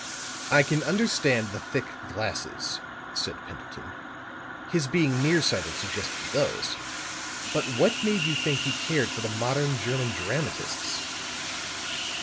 "I can understand the thick glasses," said Pendleton, "his being near sighted suggested those. But what made you think he cared for the modern German dramatists?"